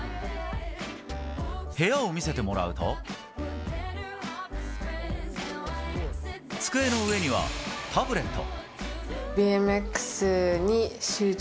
部屋を見せてもらうと机の上にはタブレット。